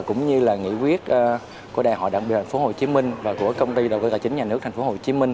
của đại hội đặc biệt thành phố hồ chí minh và của công ty đồng đội tài chính nhà nước thành phố hồ chí minh